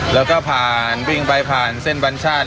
แล้วก็วิ่งไปผ่านเส้นบรรชาติ